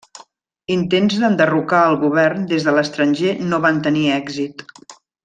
Intents d'enderrocar al govern des de l'estranger no van tenir èxit.